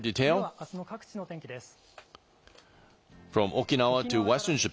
では、あすの各地の天気です。